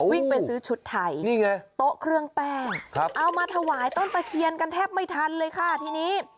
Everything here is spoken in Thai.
วิ่งไปซื้อชุดไทยนี่ไงโต๊ะเครื่องแป้งเอามาถวายต้นตะเคียนกันแทบไม่ทันเลยค่ะทีนี้